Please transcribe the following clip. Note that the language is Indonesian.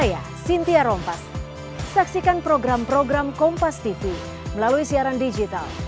yang berkaku kaku ada rekam wawang kk dan juga